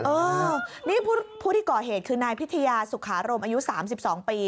เออนี่ผู้ที่ก่อเหตุคือนายพิทยาสุขารมอายุ๓๒ปี